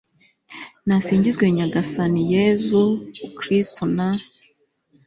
nasingizwe nyagasani, yezu-u kristu na